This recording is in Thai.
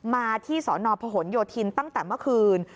มาที่สนพหนโยธินตั้งแต่เมื่อคืน